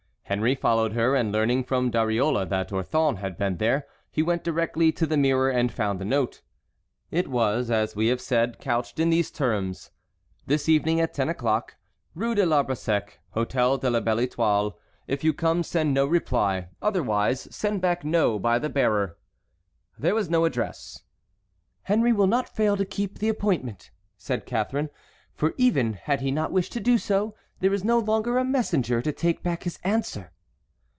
Henry followed her, and learning from Dariole that Orthon had been there he went directly to the mirror and found the note. It was, as we have said, couched in these terms: "This evening at ten o'clock, Rue de l'Arbre Sec, Hôtel de la Belle Étoile. If you come send no reply; otherwise send back NO by the bearer." There was no address. "Henry will not fail to keep the appointment," said Catharine, "for even had he not wished to do so there is no longer a messenger to take back his answer."